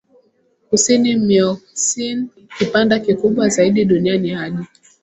Kusini Miocene Kipanda kikubwa zaidi duniani hadi